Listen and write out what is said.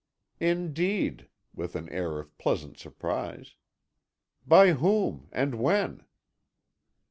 "Indeed!" with an air of pleasant surprise. "By whom, and when?"